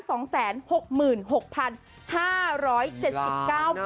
โอ้โหตัวเลขระเย็นมาก